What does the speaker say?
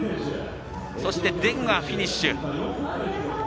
そして、デグがフィニッシュ。